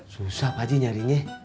susah pak ji nyarinya